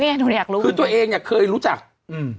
หนูอยากรู้คือตัวเองเนี้ยเคยรู้จักอืม